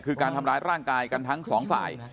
คือการทำร้ายร่างกายกันทั้งสองฝ่าย